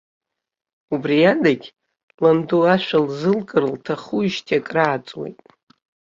Убри адагь, ланду ашәа лзылкыр лҭахуижьҭеи акрааҵуеит.